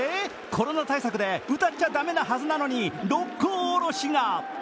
コロナ対策で歌っちゃ駄目なはずなのに、「六甲おろし」が。